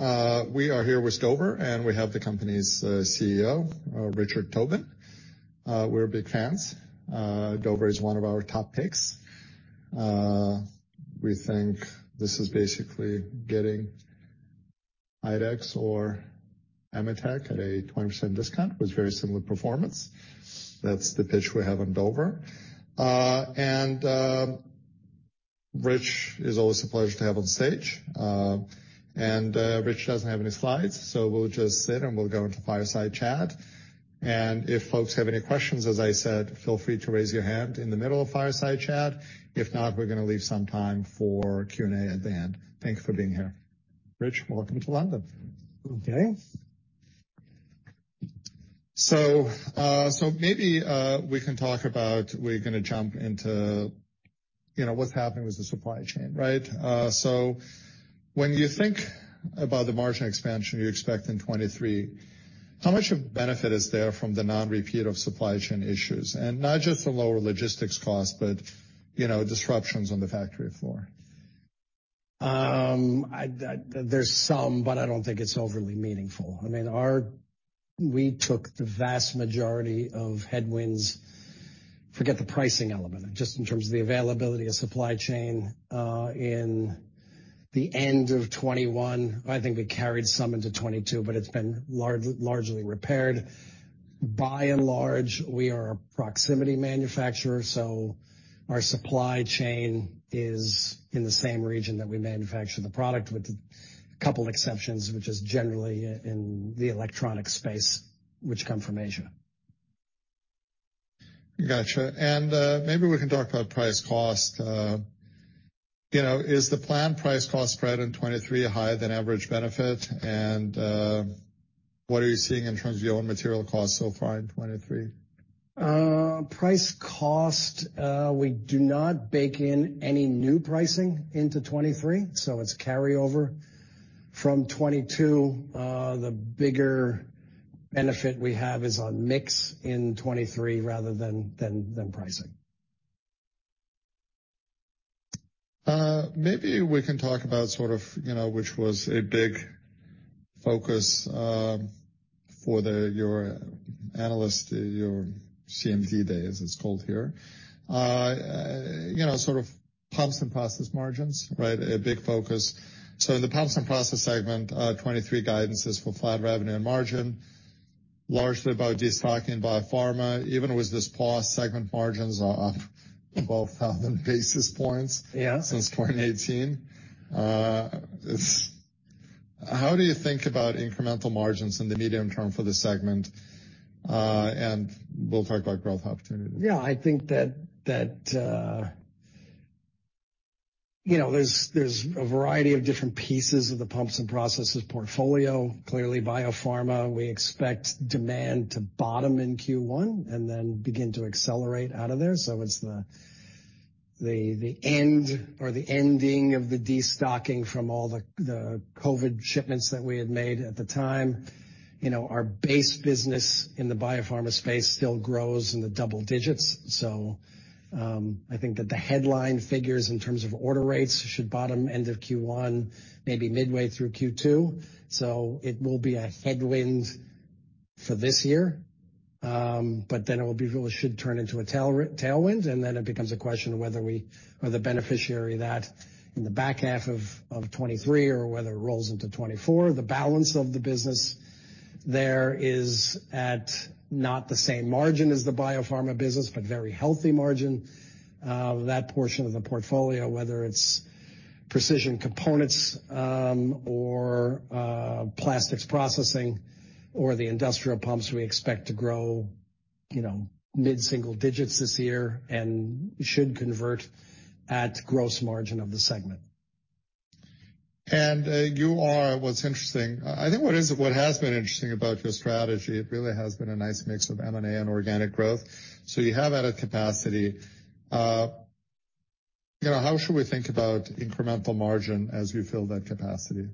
We are here with Dover. We have the company's CEO, Richard Tobin. We're big fans. Dover is one of our top picks. We think this is basically getting IDEX or AMETEK at a 20% discount with very similar performance. That's the pitch we have on Dover. Rich is always a pleasure to have on stage. Rich doesn't have any slides. We'll just sit. We'll go into fireside chat. If folks have any questions, as I said, feel free to raise your hand in the middle of fireside chat. If not, we're gonna leave some time for Q&A at the end. Thanks for being here. Rich, welcome to London. Okay. Maybe, we're gonna jump into, you know, what's happening with the supply chain, right? When you think about the margin expansion you expect in 2023, how much of benefit is there from the non-repeat of supply chain issues? Not just the lower logistics costs but, you know, disruptions on the factory floor. There's some, but I don't think it's overly meaningful. I mean, we took the vast majority of headwinds. Forget the pricing element, just in terms of the availability of supply chain, in the end of 2021. I think we carried some into 2022, but it's been largely repaired. By and large, we are a proximity manufacturer, so our supply chain is in the same region that we manufacture the product, with a couple exceptions, which is generally in the electronic space, which come from Asia. Gotcha. Maybe we can talk about Price/Cost. You know, is the planned Price/Cost spread in 2023 a higher than average benefit? What are you seeing in terms of your own material costs so far in 2023? Price/Cost, we do not bake in any new pricing into 2023, so it's carryover from 2022. The bigger benefit we have is on mix in 2023 rather than pricing. Maybe we can talk about sort of, you know, which was a big focus for your analyst, your CMD Day, as it's called here. You know, sort of Pumps & Process margins, right? A big focus. In the Pumps & Process segment, 2023 guidance is for flat revenue and margin, largely about destocking biopharma. Even with this pause, segment margins are up 12,000 basis points. Yeah. Since 2018. How do you think about incremental margins in the medium term for this segment? We'll talk about growth opportunities. Yeah, I think that, you know, there's a variety of different pieces of the Pumps & Processes portfolio. Clearly, biopharma, we expect demand to bottom in Q1 and then begin to accelerate out of there. It's the end or the ending of the destocking from all the COVID shipments that we had made at the time. You know, our base business in the biopharma space still grows in the double digits. I think that the headline figures in terms of order rates should bottom end of Q1, maybe midway through Q2. It will be a headwind for this year. It really should turn into a tailwind, and then it becomes a question of whether we are the beneficiary of that in the back half of 2023 or whether it rolls into 2024. The balance of the business there is at not the same margin as the biopharma business, but very healthy margin. That portion of the portfolio, whether it's precision components, or plastics processing or the industrial pumps we expect to grow, you know, mid-single digits this year and should convert at gross margin of the segment. What's interesting, I think what has been interesting about your strategy, it really has been a nice mix of M&A and organic growth. You have added capacity. You know, how should we think about incremental margin as we fill that capacity?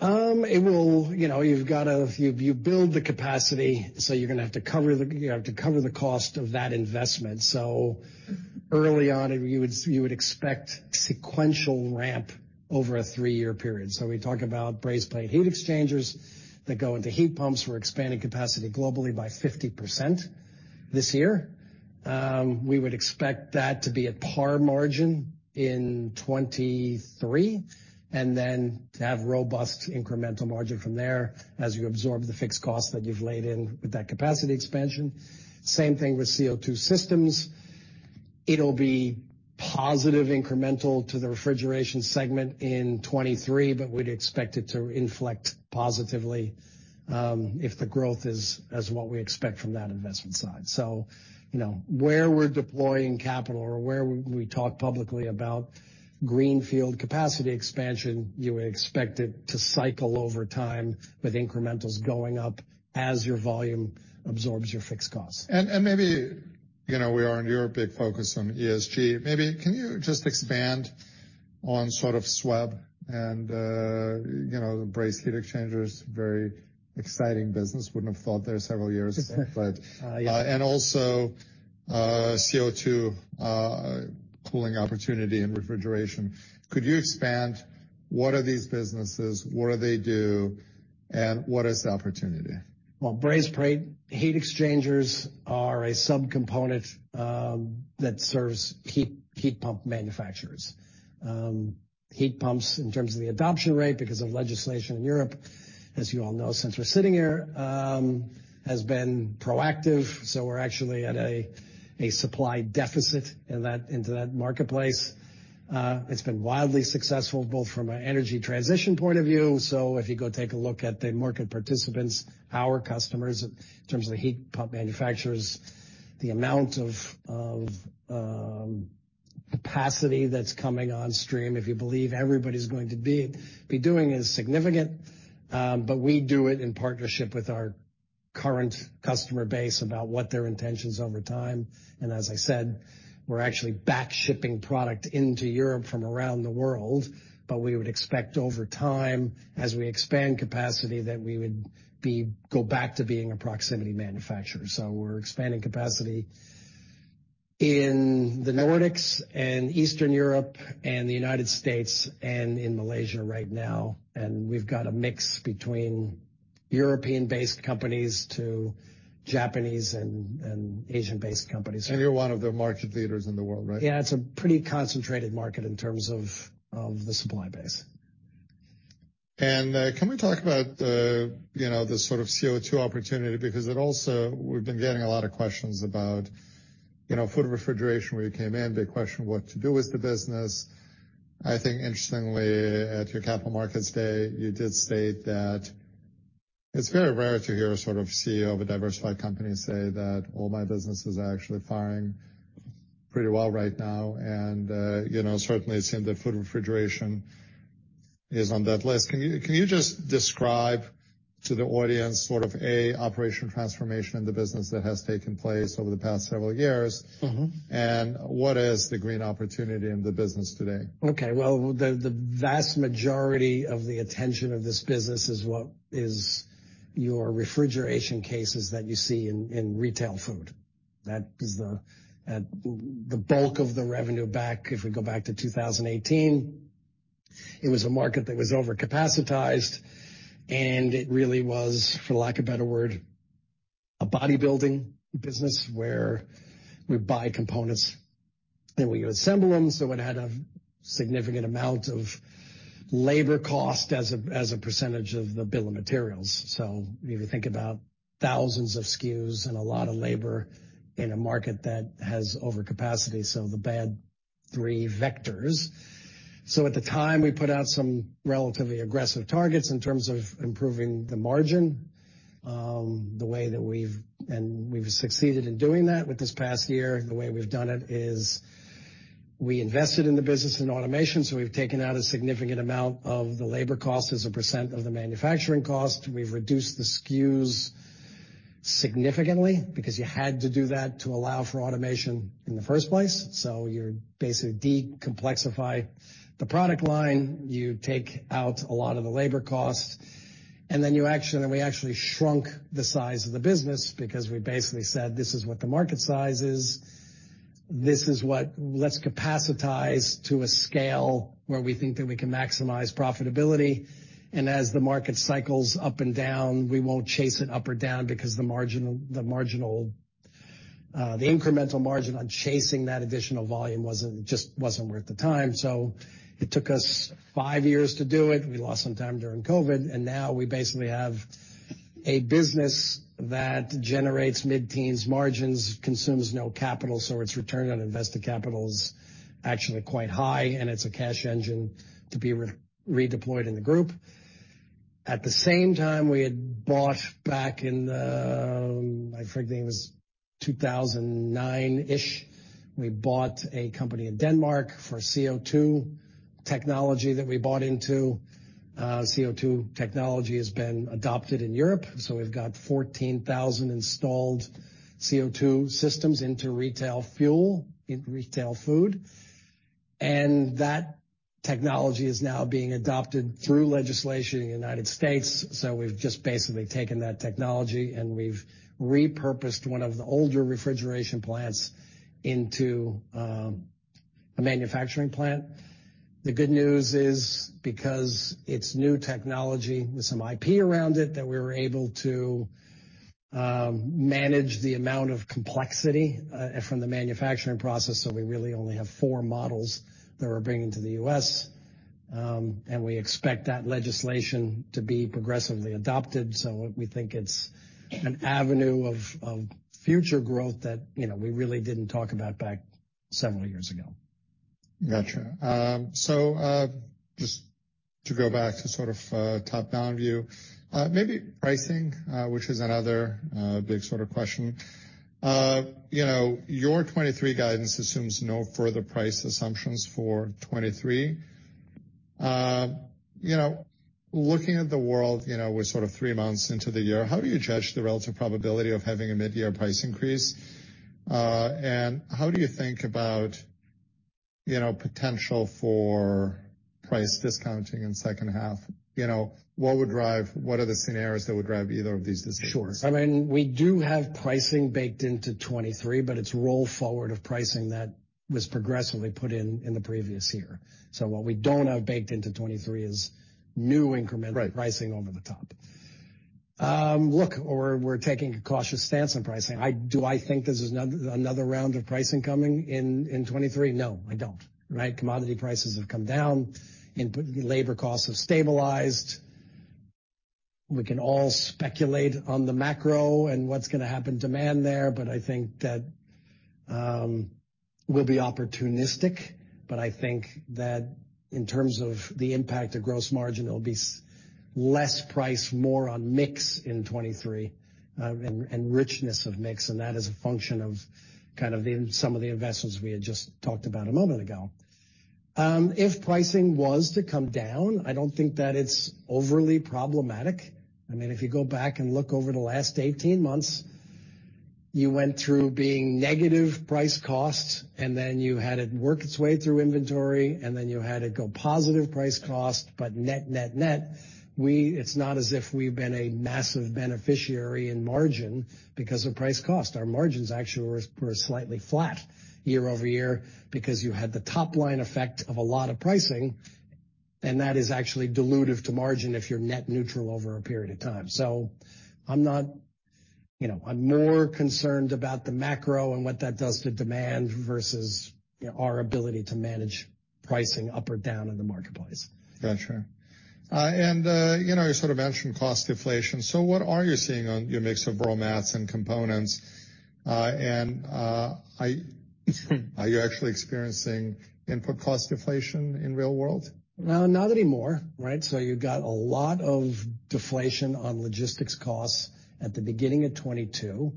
It will, you know. You build the capacity, so you're gonna have to cover, you know, to cover the cost of that investment. Early on, you would expect sequential ramp over a three-year period. We talk about brazed plate heat exchangers that go into heat pumps. We're expanding capacity globally by 50% this year. We would expect that to be at par margin in 2023, and then to have robust incremental margin from there as you absorb the fixed cost that you've laid in with that capacity expansion. Same thing with CO2 systems. It'll be positive incremental to the refrigeration segment in 2023, but we'd expect it to inflect positively, if the growth is as what we expect from that investment side. You know, where we're deploying capital or where we talk publicly about greenfield capacity expansion, you would expect it to cycle over time with incrementals going up as your volume absorbs your fixed cost. Maybe, you know, we are in Europe, big focus on ESG. Maybe can you just expand on sort of SWEP and, you know, the brazed heat exchangers? Very exciting business. Wouldn't have thought there several years ago. Yeah. Also, CO2 cooling opportunity and refrigeration. Could you expand, what are these businesses? What do they do, and what is the opportunity? Well, brazed plate heat exchangers are a subcomponent that serves heat pump manufacturers. Heat pumps in terms of the adoption rate because of legislation in Europe, as you all know, since we're sitting here, has been proactive, so we're actually at a supply deficit into that marketplace. It's been wildly successful, both from an energy transition point of view. If you go take a look at the market participants, our customers in terms of the heat pump manufacturers, the amount of capacity that's coming on stream, if you believe everybody's going to be doing it is significant. We do it in partnership with our current customer base about what their intentions over time. As I said, we're actually back shipping product into Europe from around the world. We would expect over time, as we expand capacity, that we would go back to being a proximity manufacturer. We're expanding capacity in the Nordics and Eastern Europe and the United States and in Malaysia right now. We've got a mix between European-based companies to Japanese and Asian-based companies. You're one of the market leaders in the world, right? Yeah, it's a pretty concentrated market in terms of the supply base. Can we talk about the, you know, the sort of CO2 opportunity? We've been getting a lot of questions about, you know, food refrigeration, where you came in, the question what to do with the business. I think interestingly, at your Capital Markets Day, you did state that it's very rare to hear a sort of CEO of a diversified company say that all my businesses are actually firing pretty well right now. You know, certainly it seemed that food refrigeration is on that list. Can you just describe to the audience sort of, A, operational transformation in the business that has taken place over the past several years? Mm-hmm. What is the green opportunity in the business today? Okay. Well, the vast majority of the attention of this business is what is your refrigeration cases that you see in retail food. That is the bulk of the revenue back, if we go back to 2018, it was a market that was over-capacitized. It really was, for lack of a better word, a bodybuilding business where we buy components, and we assemble them. It had a significant amount of labor cost as a percentage of the bill of materials. If you think about thousands of SKUs and a lot of labor in a market that has overcapacity, the bad three vectors. At the time, we put out some relatively aggressive targets in terms of improving the margin. We've succeeded in doing that with this past year. The way we've done it is we invested in the business in automation, so we've taken out a significant amount of the labor cost as a % of the manufacturing cost. We've reduced the SKUs significantly because you had to do that to allow for automation in the first place. You basically decomplexify the product line, you take out a lot of the labor costs, and we actually shrunk the size of the business because we basically said, "This is what the market size is. Let's capacitize to a scale where we think that we can maximize profitability. As the market cycles up and down, we won't chase it up or down because the marginal incremental margin on chasing that additional volume just wasn't worth the time." It took us 5 years to do it. We lost some time during COVID. Now we basically have a business that generates mid-teens margins, consumes no capital, so its return on invested capital is actually quite high. It's a cash engine to be re-redeployed in the group. At the same time, we had bought back in, it was 2009-ish, we bought a company in Denmark for CO2 technology that we bought into. CO2 technology has been adopted in Europe. We've got 14,000 installed CO2 systems into retail fuel, in retail food. That technology is now being adopted through legislation in the United States. We've just basically taken that technology. We've repurposed one of the older refrigeration plants into a manufacturing plant. The good news is, because it's new technology with some IP around it, that we were able to manage the amount of complexity from the manufacturing process. We really only have 4 models that we're bringing to the U.S., and we expect that legislation to be progressively adopted. We think it's an avenue of future growth that, you know, we really didn't talk about back several years ago. Gotcha. Just to go back to sort of top-down view, maybe pricing, which is another big sort of question. You know, your 2023 guidance assumes no further price assumptions for 2023. You know, looking at the world, you know, we're sort of 3 months into the year, how do you judge the relative probability of having a mid-year price increase? How do you think about, you know, potential for price discounting in second half? You know, what are the scenarios that would drive either of these decisions? Sure. I mean, we do have pricing baked into 2023, but it's roll forward of pricing that was progressively put in in the previous year. What we don't have baked into 2023 is new incremental- Right. -pricing over the top. Look, we're taking a cautious stance on pricing. Do I think this is another round of pricing coming in 2023? No, I don't. Right? Commodity prices have come down. Input labor costs have stabilized. We can all speculate on the macro and what's gonna happen demand there, but I think that we'll be opportunistic. I think that in terms of the impact of gross margin, it'll be less price, more on mix in 2023, and richness of mix, and that is a function of kind of in some of the investments we had just talked about a moment ago. If pricing was to come down, I don't think that it's overly problematic. I mean, if you go back and look over the last 18 months, you went through being negative Price/Cost, and then you had it work its way through inventory, and then you had it go positive Price/Cost. Net, net, it's not as if we've been a massive beneficiary in margin because of Price/Cost. Our margins actually were slightly flat year-over-year because you had the top-line effect of a lot of pricing, and that is actually dilutive to margin if you're net neutral over a period of time. I'm not, you know, I'm more concerned about the macro and what that does to demand versus, you know, our ability to manage pricing up or down in the marketplace. Gotcha. you know, you sort of mentioned cost deflation. What are you seeing on your mix of raw mats and components? Are you actually experiencing input cost deflation in real world? Not anymore, right? You got a lot of deflation on logistics costs at the beginning of 2022.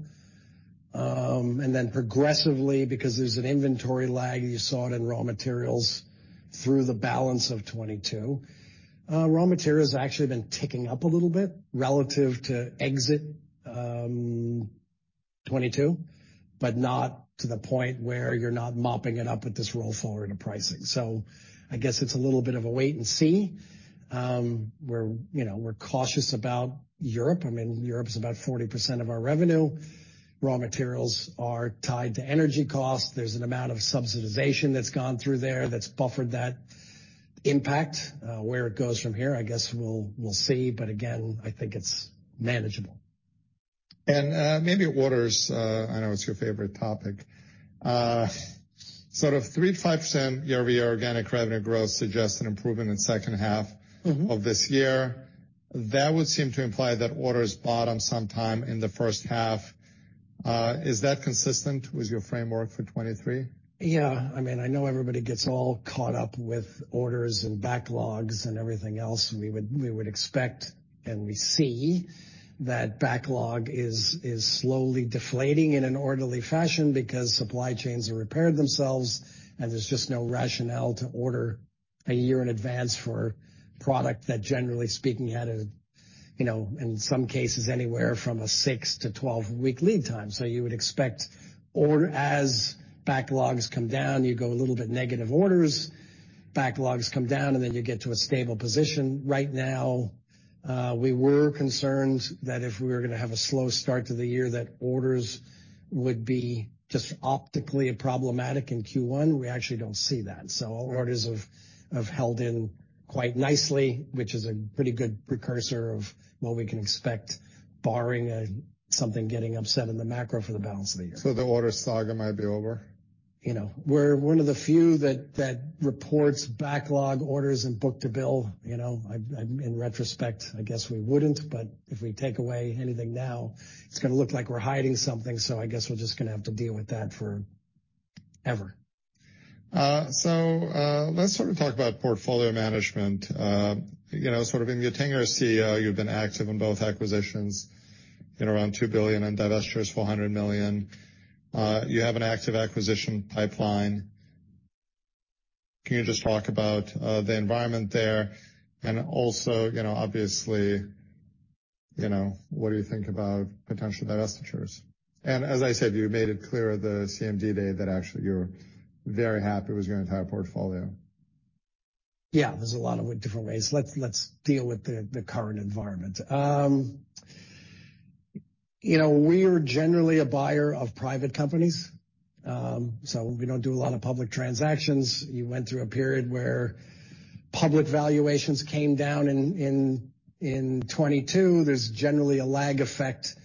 Progressively, because there's an inventory lag, you saw it in raw materials through the balance of 2022. Raw materials actually been ticking up a little bit relative to exit, 2022, but not to the point where you're not mopping it up with this roll forward in pricing. I guess it's a little bit of a wait and see. We're, you know, we're cautious about Europe. I mean, Europe's about 40% of our revenue. Raw materials are tied to energy costs. There's an amount of subsidization that's gone through there that's buffered that impact. Where it goes from here, I guess we'll see. Again, I think it's manageable. Maybe orders, I know it's your favorite topic. Sort of 3%-5% YoY organic revenue growth suggests an improvement in second half. Mm-hmm. -of this year. That would seem to imply that orders bottom sometime in the first half. Is that consistent with your framework for 2023? Yeah. I mean, I know everybody gets all caught up with orders and backlogs and everything else. We would expect, and we see that backlog is slowly deflating in an orderly fashion because supply chains have repaired themselves, and there's just no rationale to order a year in advance for product that generally speaking had a, you know, in some cases anywhere from a 6-12-week lead time. You would expect order as backlogs come down, you go a little bit negative orders. Backlogs come down, and then you get to a stable position. Right now, we were concerned that if we were gonna have a slow start to the year, that orders would be just optically problematic in Q1. We actually don't see that. Orders have held in quite nicely, which is a pretty good precursor of what we can expect, barring something getting upset in the macro for the balance of the year. The order saga might be over? You know, we're one of the few that reports backlog orders and book-to-bill, you know. I in retrospect, I guess we wouldn't. If we take away anything now, it's gonna look like we're hiding something, I guess we're just gonna have to deal with that forever. Let's sort of talk about portfolio management. You know, sort of being the [tinger] CEO, you've been active in both acquisitions in around $2 billion and divestitures $400 million. You have an active acquisition pipeline. Can you just talk about the environment there and also, you know, obviously, you know, what do you think about potential divestitures? As I said, you made it clear the CMD Day that actually you're very happy with your entire portfolio. Yeah. There's a lot of different ways. Let's deal with the current environment. You know, we're generally a buyer of private companies, so we don't do a lot of public transactions. You went through a period where public valuations came down in 2022. There's generally a lag effect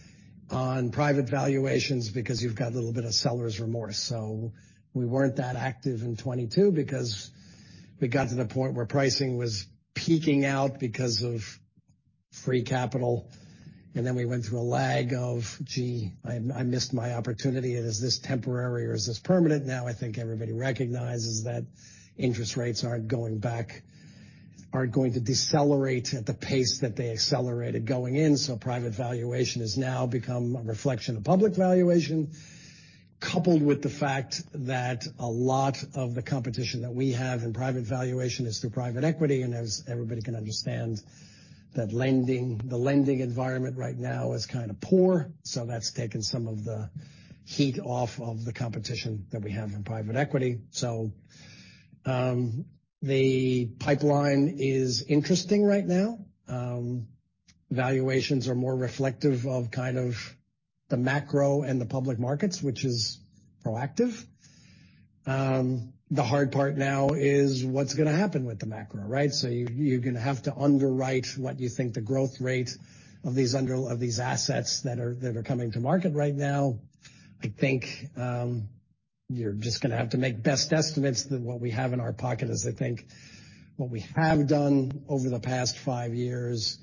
on private valuations because you've got a little bit of seller's remorse. We weren't that active in 2022 because we got to the point where pricing was peaking out because of free capital, and then we went through a lag of, gee, I missed my opportunity. Is this temporary or is this permanent? I think everybody recognizes that interest rates aren't going back, aren't going to decelerate at the pace that they accelerated going in, so private valuation has now become a reflection of public valuation. Coupled with the fact that a lot of the competition that we have in private valuation is through private equity, as everybody can understand that lending, the lending environment right now is kind of poor. That's taken some of the heat off of the competition that we have in private equity. The pipeline is interesting right now. Valuations are more reflective of kind of the macro and the public markets, which is proactive. The hard part now is what's gonna happen with the macro, right? You, you're gonna have to underwrite what you think the growth rate of these of these assets that are coming to market right now. I think, you're just gonna have to make best estimates than what we have in our pocket is I think what we have done over the past five years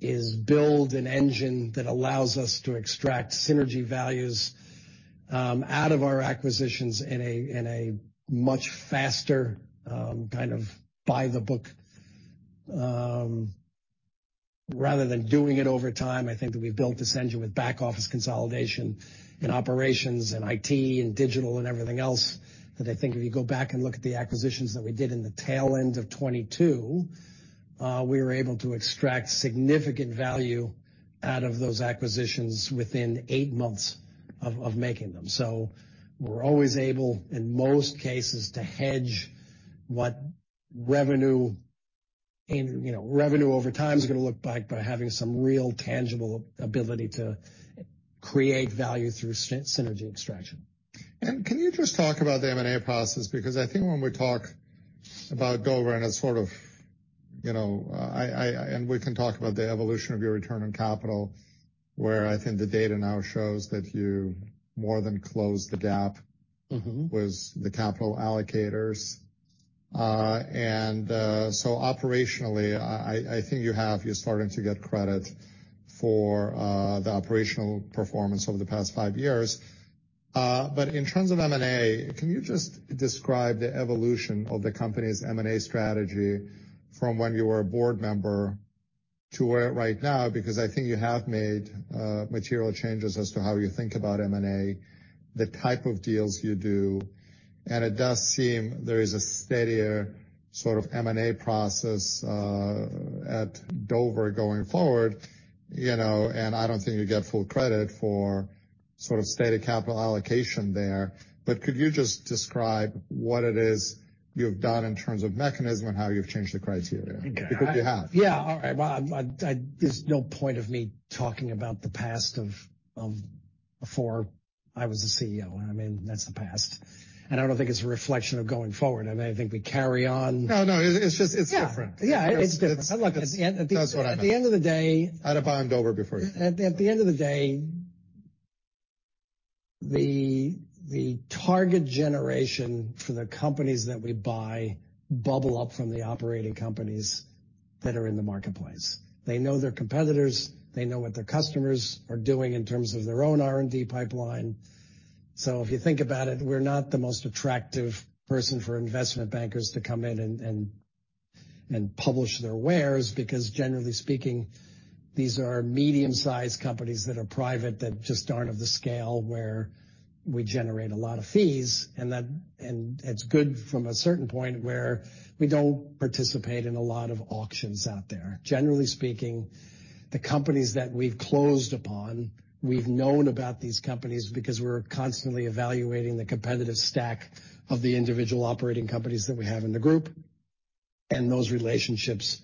is build an engine that allows us to extract synergy values out of our acquisitions in a, in a much faster, kind of by the book, rather than doing it over time. I think that we've built this engine with back office consolidation in operations and IT and digital and everything else, that I think if you go back and look at the acquisitions that we did in the tail end of 2022, we were able to extract significant value out of those acquisitions within eight months of making them. We're always able, in most cases, to hedge what revenue and, you know, revenue over time is gonna look like by having some real tangible ability to create value through synergy extraction. Can you just talk about the M&A process? Because I think when we talk about Dover and as sort of, you know, and we can talk about the evolution of your return on capital, where I think the data now shows that you more than closed the gap. Mm-hmm. -with the capital allocators. Operationally, I think you're starting to get credit for the operational performance over the past five years. In terms of M&A, can you just describe the evolution of the company's M&A strategy from when you were a board member to where right now, because I think you have made material changes as to how you think about M&A, the type of deals you do, and it does seem there is a steadier sort of M&A process at Dover going forward, you know, and I don't think you get full credit for sort of steady capital allocation there. Could you just describe what it is you've done in terms of mechanism and how you've changed the criteria? Because you have. Yeah. All right. Well, I there's no point of me talking about the past of before I was a CEO. I mean, that's the past. I don't think it's a reflection of going forward. I mean, I think we carry on. No, no, it's just, it's different. Yeah. Yeah, it's different. That's what I meant. Look, at the end of the day. I'd have bought Dover before you. At the end of the day, the target generation for the companies that we buy bubble up from the operating companies that are in the marketplace. They know their competitors. They know what their customers are doing in terms of their own R&D pipeline. If you think about it, we're not the most attractive person for investment bankers to come in and publish their wares, because generally speaking, these are medium-sized companies that are private that just aren't of the scale where we generate a lot of fees. It's good from a certain point where we don't participate in a lot of auctions out there. Generally speaking, the companies that we've closed upon, we've known about these companies because we're constantly evaluating the competitive stack of the individual operating companies that we have in the group, and those relationships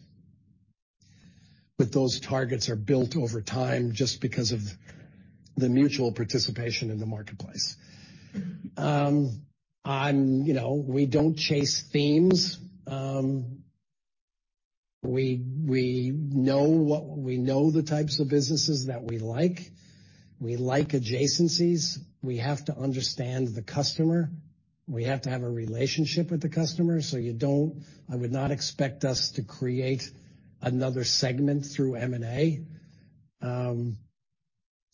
with those targets are built over time just because of the mutual participation in the marketplace. You know, we don't chase themes. We know the types of businesses that we like. We like adjacencies. We have to understand the customer. We have to have a relationship with the customer. I would not expect us to create another segment through M&A,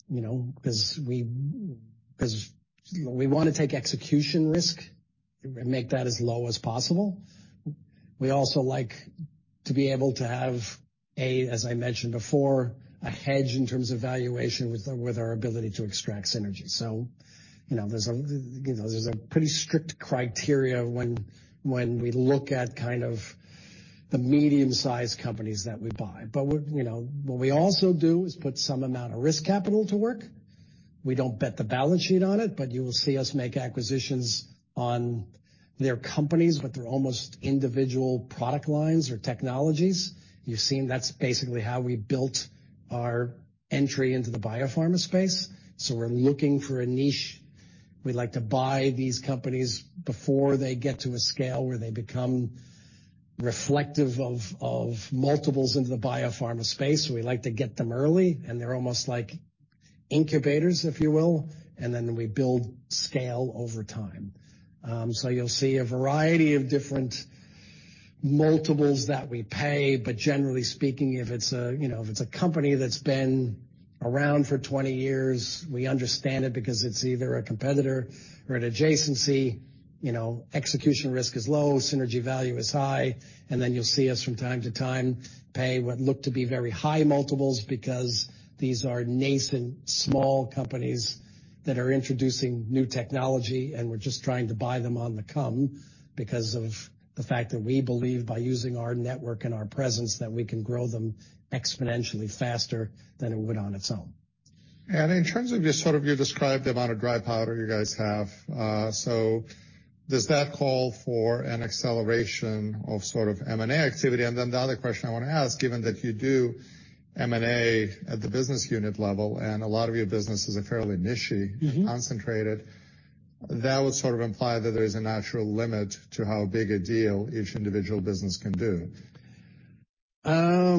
you know, 'cause we wanna take execution risk and make that as low as possible. We also like to be able to have a, as I mentioned before, a hedge in terms of valuation with our ability to extract synergy. you know, there's a, you know, there's a pretty strict criteria when we look at kind of the medium-sized companies that we buy. we're, you know, what we also do is put some amount of risk capital to work. We don't bet the balance sheet on it, but you will see us make acquisitions on their companies, but they're almost individual product lines or technologies. You've seen that's basically how we built our entry into the biopharma space. We're looking for a niche. We like to buy these companies before they get to a scale where they become reflective of multiples into the biopharma space. We like to get them early, and they're almost like incubators, if you will, and then we build scale over time. You'll see a variety of different multiples that we pay, but generally speaking, if it's a, you know, if it's a company that's been around for 20 years, we understand it because it's either a competitor or an adjacency. You know, execution risk is low, synergy value is high. Then you'll see us from time to time pay what look to be very high multiples because these are nascent small companies that are introducing new technology. We're just trying to buy them on the come because of the fact that we believe by using our network and our presence that we can grow them exponentially faster than it would on its own. In terms of just sort of you described the amount of dry powder you guys have, so does that call for an acceleration of sort of M&A activity? The other question I wanna ask, given that you do M&A at the business unit level, and a lot of your businesses are fairly. Mm-hmm. concentrated. That would sort of imply that there is a natural limit to how big a deal each individual business can do.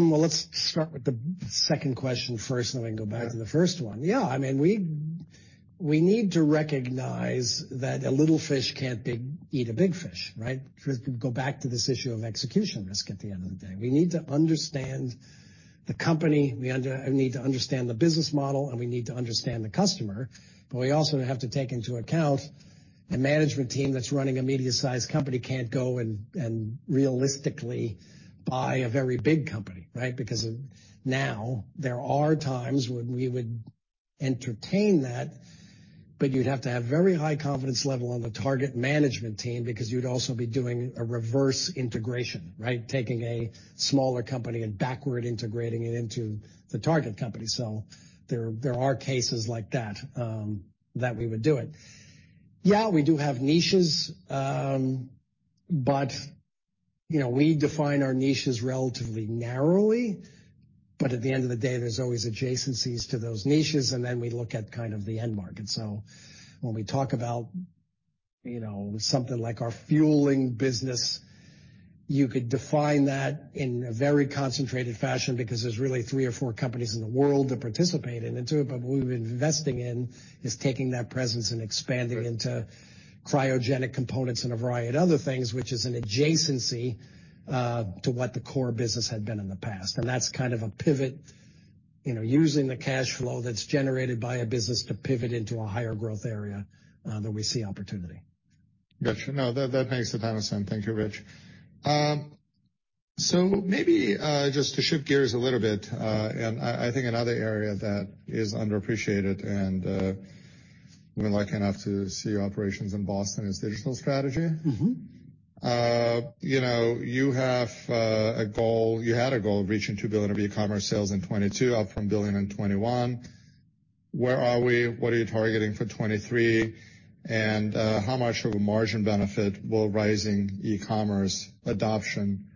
Well, let's start with the second question first, then go back to the first one. Yeah. I mean, we need to recognize that a little fish can't eat a big fish, right? Go back to this issue of execution risk at the end of the day. We need to understand the company, we need to understand the business model, we need to understand the customer, we also have to take into account the management team that's running a medium-sized company can't go and realistically buy a very big company, right? Because of now there are times when we would entertain that, you'd have to have very high confidence level on the target management team because you'd also be doing a reverse integration, right? Taking a smaller company and backward integrating it into the target company. There are cases like that we would do it. Yeah, we do have niches, you know, we define our niches relatively narrowly. At the end of the day, there's always adjacencies to those niches, and then we look at kind of the end market. When we talk about, you know, something like our fueling business, you could define that in a very concentrated fashion because there's really 3 or 4 companies in the world that participate in it. What we've been investing in is taking that presence and expanding into cryogenic components and a variety of other things, which is an adjacency to what the core business had been in the past. That's kind of a pivot, you know, using the cash flow that's generated by a business to pivot into a higher growth area, that we see opportunity. Got you. No, that makes a ton of sense. Thank you, Rich. Maybe, just to shift gears a little bit, and I think another area that is underappreciated, and, we've been lucky enough to see your operations in Boston, is digital strategy. Mm-hmm. you know, you had a goal of reaching $2 billion of e-commerce sales in 2022, up from $1 billion in 2021. Where are we? What are you targeting for 2023? How much of a margin benefit will rising e-commerce adoption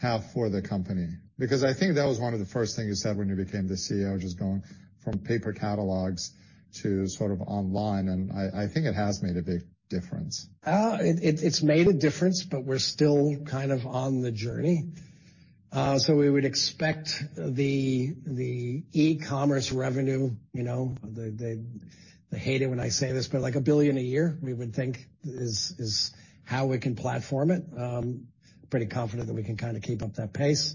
have for the company? I think that was one of the first things you said when you became the CEO, just going from paper catalogs to sort of online, and I think it has made a big difference. It's made a difference, but we're still kind of on the journey. We would expect the e-commerce revenue, you know, they hate it when I say this, but like $1 billion a year, we would think is how we can platform it. Pretty confident that we can kinda keep up that pace.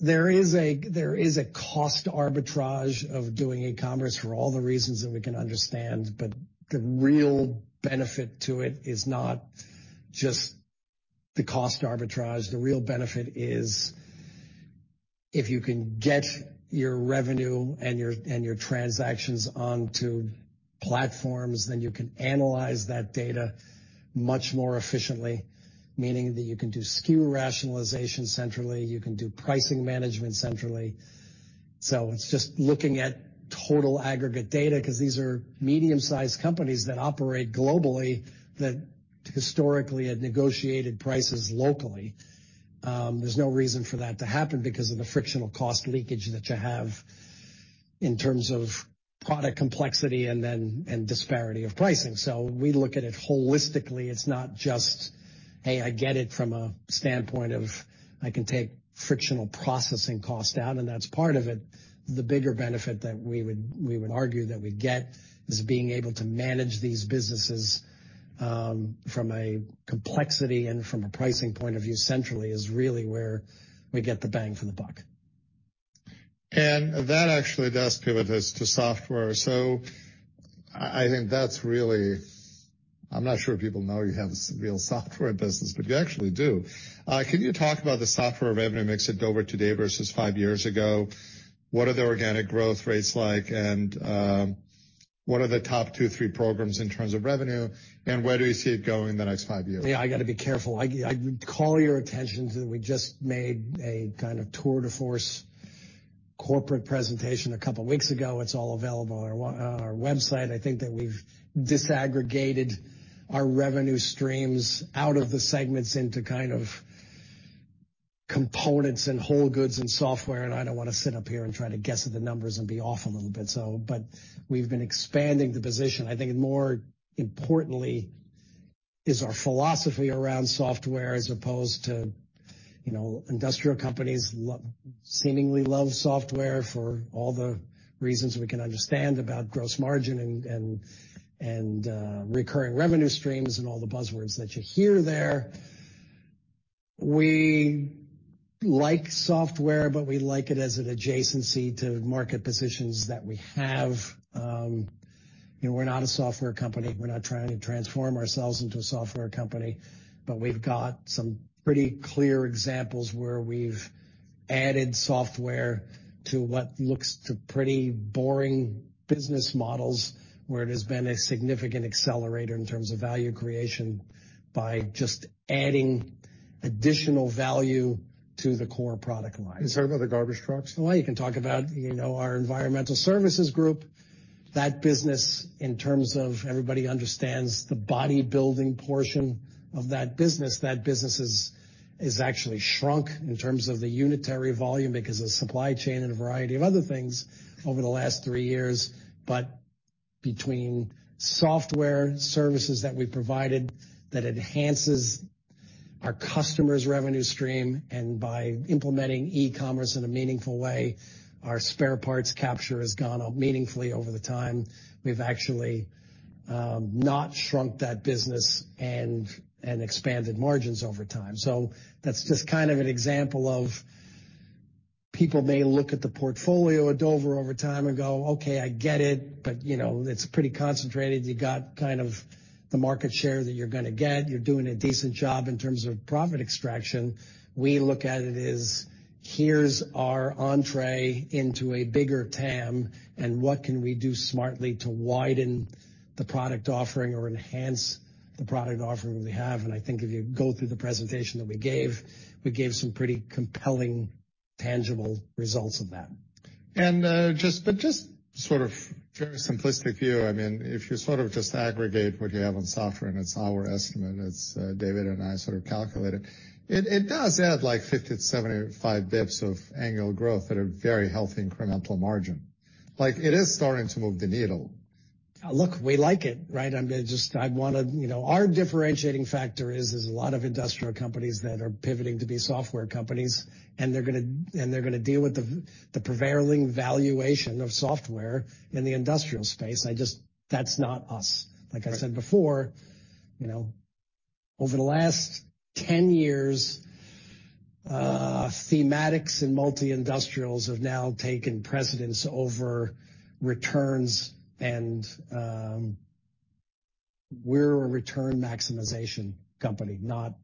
There is a cost arbitrage of doing e-commerce for all the reasons that we can understand, but the real benefit to it is not just the cost arbitrage. The real benefit is if you can get your revenue and your transactions onto platforms, then you can analyze that data much more efficiently, meaning that you can do SKU rationalization centrally, you can do pricing management centrally. It's just looking at total aggregate data, 'cause these are medium-sized companies that operate globally that historically had negotiated prices locally. There's no reason for that to happen because of the frictional cost leakage that you have in terms of product complexity and disparity of pricing. We look at it holistically. It's not just, hey, I get it from a standpoint of I can take frictional processing costs out, and that's part of it. The bigger benefit that we would argue that we get is being able to manage these businesses from a complexity and from a pricing point of view centrally is really where we get the bang for the buck. That actually does pivot us to software. I think that's really... I'm not sure if people know you have a real software business, but you actually do. Can you talk about the software revenue mix at Dover today versus five years ago? What are the organic growth rates like? What are the top two, three programs in terms of revenue, and where do you see it going in the next five years? Yeah, I gotta be careful. I call your attention to that we just made a kind of tour de force corporate presentation a couple weeks ago. It's all available on our website. I think that we've disaggregated our revenue streams out of the segments into kind of components and whole goods and software. I don't wanna sit up here and try to guess at the numbers and be off a little bit. We've been expanding the position. I think more importantly is our philosophy around software as opposed to, you know, industrial companies seemingly love software for all the reasons we can understand about gross margin and recurring revenue streams and all the buzzwords that you hear there. We like software, we like it as an adjacency to market positions that we have. You know, we're not a software company. We're not trying to transform ourselves into a software company, but we've got some pretty clear examples where we've added software to what looks to pretty boring business models, where it has been a significant accelerator in terms of value creation by just adding additional value to the core product line. Is that with the garbage trucks? You can talk about, you know, our Environmental Solutions Group. That business in terms of everybody understands the bodybuilding portion of that business, that business is actually shrunk in terms of the unitary volume because of supply chain and a variety of other things over the last three years. Between software services that we provided that enhances our customer's revenue stream and by implementing e-commerce in a meaningful way, our spare parts capture has gone up meaningfully over time. We've actually not shrunk that business and expanded margins over time. That's just kind of an example of people may look at the portfolio at Dover over time and go, "Okay, I get it, but, you know, it's pretty concentrated. You got kind of the market share that you're gonna get. You're doing a decent job in terms of profit extraction. We look at it as here's our entrée into a bigger TAM, and what can we do smartly to widen the product offering or enhance the product offering we have? I think if you go through the presentation that we gave, we gave some pretty compelling, tangible results of that. But just sort of very simplistic view, I mean, if you sort of just aggregate what you have on software, and it's our estimate as David and I sort of calculate it does add, like, 50-75 basis points of annual growth at a very healthy incremental margin. Like, it is starting to move the needle. Look, we like it, right? I wanna, you know, our differentiating factor is there's a lot of industrial companies that are pivoting to be software companies, and they're gonna, and they're gonna deal with the prevailing valuation of software in the industrial space. That's not us. Like I said before, you know, over the last 10 years, thematics and multi-industrials have now taken precedence over returns, and, we're a return maximization company, not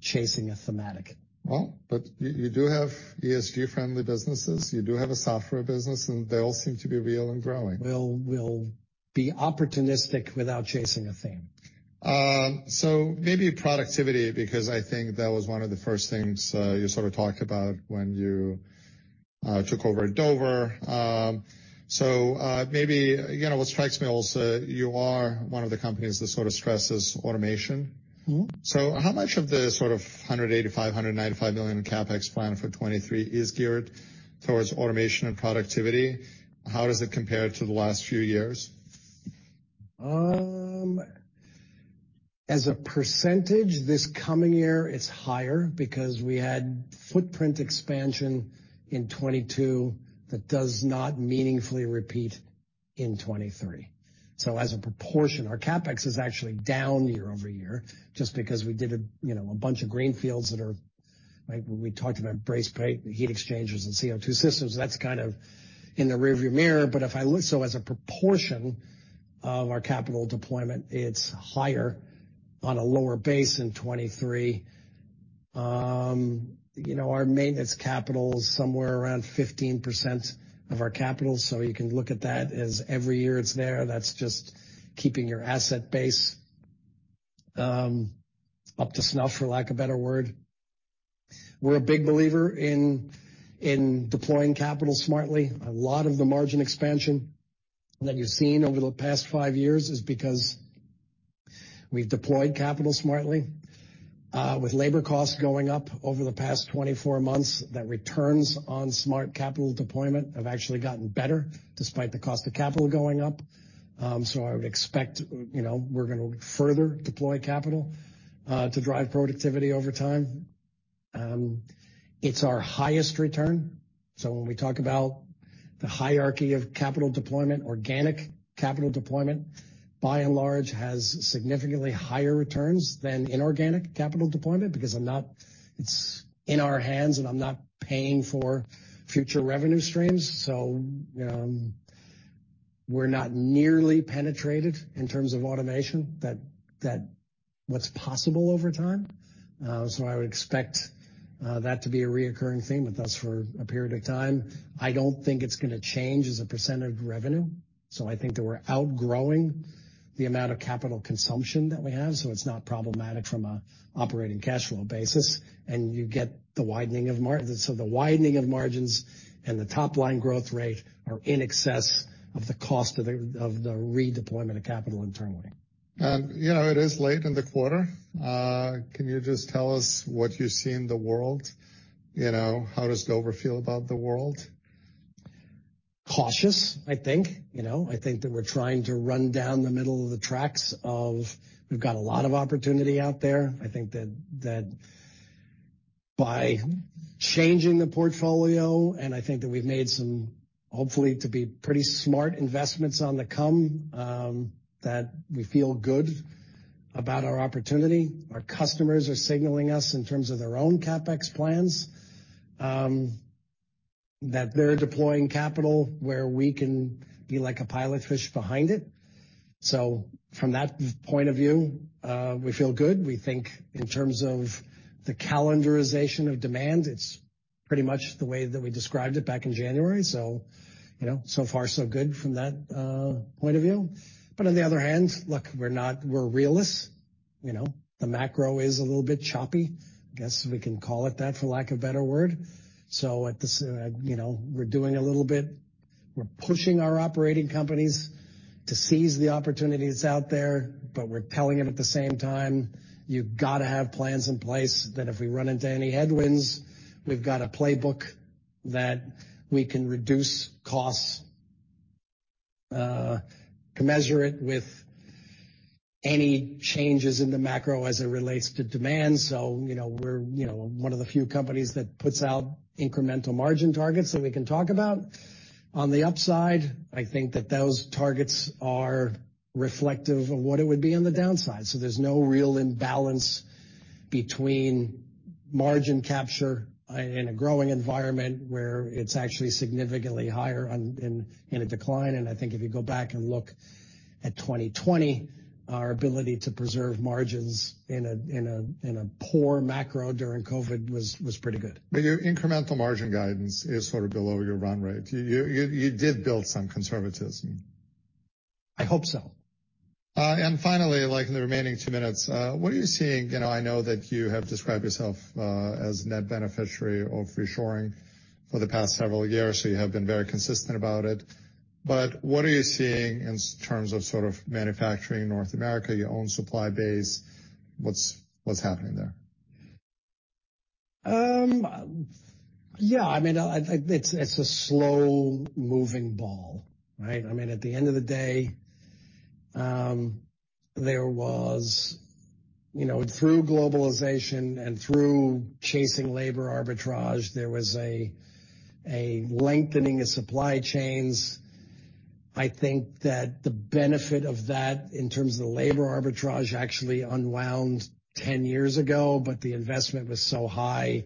chasing a thematic. You do have ESG-friendly businesses, you do have a software business, and they all seem to be real and growing. We'll be opportunistic without chasing a theme. Maybe productivity because I think that was one of the first things you sort of talked about when you took over at Dover. Maybe, you know, what strikes me also, you are one of the companies that sort of stresses automation. Mm-hmm. How much of the sort of $185 million-$195 million CapEx plan for 2023 is geared towards automation and productivity? How does it compare to the last few years? As a percentage, this coming year is higher because we had footprint expansion in 2022 that does not meaningfully repeat in 2023. As a proportion, our CapEx is actually down year-over-year just because we did a, you know, a bunch of greenfields. Like when we talked about brazed plate heat exchangers and CO2 systems, that's kind of in the rear view mirror. As a proportion of our capital deployment, it's higher on a lower base in 2023. You know, our maintenance capital is somewhere around 15% of our capital. You can look at that as every year it's there. That's just keeping your asset base up to snuff, for lack of a better word. We're a big believer in deploying capital smartly. A lot of the margin expansion that you've seen over the past 5 years is because we've deployed capital smartly. With labor costs going up over the past 24 months, the returns on smart capital deployment have actually gotten better despite the cost of capital going up. I would expect, you know, we're gonna further deploy capital to drive productivity over time. It's our highest return. When we talk about the hierarchy of capital deployment, organic capital deployment, by and large, has significantly higher returns than inorganic capital deployment because It's in our hands, and I'm not paying for future revenue streams. We're not nearly penetrated in terms of automation that what's possible over time. I would expect that to be a recurring theme with us for a period of time. I don't think it's gonna change as a percent of revenue, so I think that we're outgrowing the amount of capital consumption that we have, so it's not problematic from an operating cash flow basis. You get the widening of margins and the top-line growth rate are in excess of the cost of the redeployment of capital internally. You know, it is late in the quarter. Can you just tell us what you see in the world? You know, how does Dover feel about the world? Cautious, I think. You know? I think that we're trying to run down the middle of the tracks of we've got a lot of opportunity out there. I think that by changing the portfolio, and I think that we've made some, hopefully, to be pretty smart investments on the come, that we feel good about our opportunity. Our customers are signaling us in terms of their own CapEx plans, that they're deploying capital where we can be like a pilot fish behind it. From that point of view, we feel good. We think in terms of the calendarization of demand, it's pretty much the way that we described it back in January. You know, so far so good from that point of view. On the other hand, look, we're not realists. You know, the macro is a little bit choppy. I guess we can call it that for lack of a better word. At this, you know, we're doing a little bit. We're pushing our operating companies to seize the opportunities out there, but we're telling them at the same time, you've gotta have plans in place that if we run into any headwinds, we've got a playbook that we can reduce costs, commiserate with any changes in the macro as it relates to demand. You know, we're, you know, one of the few companies that puts out incremental margin targets that we can talk about. On the upside, I think that those targets are reflective of what it would be on the downside. There's no real imbalance between margin capture in a growing environment where it's actually significantly higher on, in a decline. I think if you go back and look at 2020, our ability to preserve margins in a poor macro during COVID was pretty good. Your incremental margin guidance is sort of below your run rate. You did build some conservatism? I hope so. Finally, like in the remaining 2 minutes, what are you seeing? You know, I know that you have described yourself as net beneficiary of reshoring for the past several years. You have been very consistent about it. What are you seeing in terms of sort of manufacturing in North America, your own supply base? What's happening there? Yeah. I mean, it's a slow-moving ball, right? I mean, at the end of the day, there was, you know, through globalization and through chasing labor arbitrage, there was a lengthening of supply chains. I think that the benefit of that in terms of the labor arbitrage actually unwound 10 years ago, but the investment was so high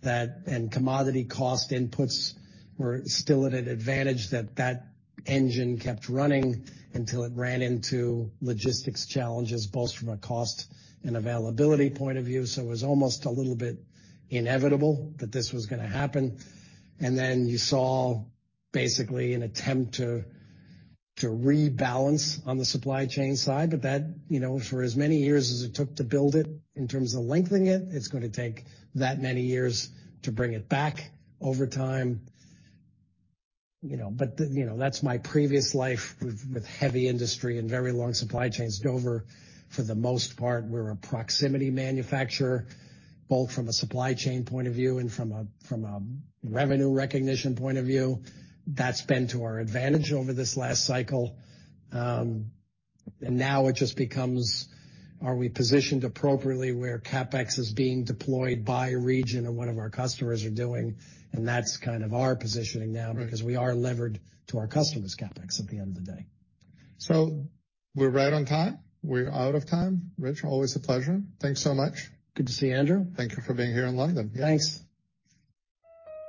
that, and commodity cost inputs were still at an advantage that that engine kept running until it ran into logistics challenges, both from a cost and availability point of view. It was almost a little bit inevitable that this was gonna happen. Then you saw basically an attempt to rebalance on the supply chain side. That, you know, for as many years as it took to build it in terms of lengthening it's gonna take that many years to bring it back over time. You know, but, you know, that's my previous life with heavy industry and very long supply chains. Dover, for the most part, we're a proximity manufacturer, both from a supply chain point of view and from a revenue recognition point of view. That's been to our advantage over this last cycle. Now it just becomes, are we positioned appropriately where CapEx is being deployed by region and what our customers are doing? That's kind of our positioning now because we are levered to our customers' CapEx at the end of the day. We're right on time. We're out of time. Rich, always a pleasure. Thanks so much. Good to see you, Andrew. Thank you for being here in London. Thanks.